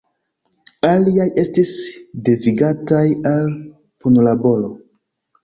Aliaj estis devigataj al punlaboro.